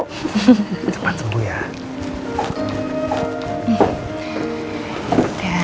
cepat sembuh ya